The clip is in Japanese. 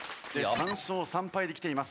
３勝３敗で来ています。